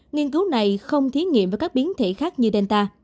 nghiên cứu này không thí nghiệm với các biến thể khác như delta